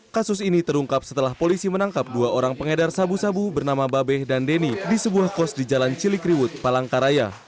kasus ini terungkap setelah polisi menangkap dua orang pengedar sabu sabu bernama babeh dan deni di sebuah kos di jalan cilikriwut palangkaraya